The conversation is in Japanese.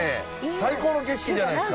最高の景色じゃないですか。